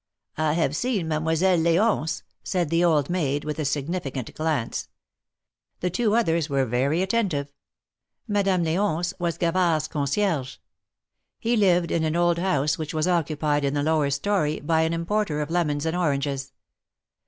" I have seen Mademoiselle L^once," said the old maid, with a significant glance. THE MARKETS OF PARIS. 24a The two others were very attentive. Madame L6once was Gavard's concierge. He lived in an old house which was occupied in the lower story by an importer of lemons and oranges.